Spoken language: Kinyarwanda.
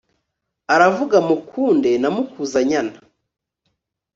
aravuga mukunde na mukuzanyana